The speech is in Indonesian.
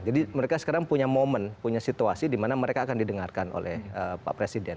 jadi mereka sekarang punya momen punya situasi dimana mereka akan didengarkan oleh pak presiden